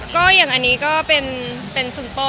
ก็อย่างอันนี้ก็เป็นซุงโต